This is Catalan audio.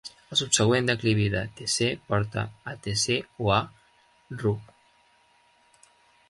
El subsegüent declivi de Tc porta a Tc o a Ru.